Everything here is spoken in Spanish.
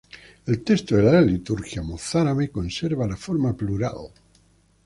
El texto de la liturgia mozárabe conserva la forma plural.